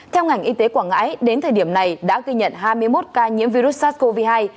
theo ngành y tế quảng ngãi đến thời điểm này đã ghi nhận hai mươi một ca nhiễm virus sars cov hai